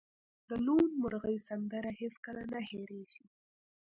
د لوون مرغۍ سندره هیڅکله نه هیریږي